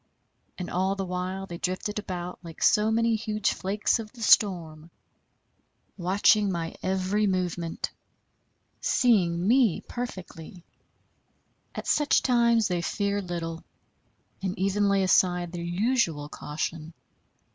And all the while they drifted about like so many huge flakes of the storm, watching my every movement, seeing me perfectly. At such times they fear little, and even lay aside their usual caution.